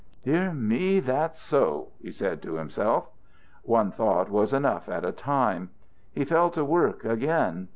"Dear me, that's so," he said to himself. One thought was enough at a time. He fell to work again.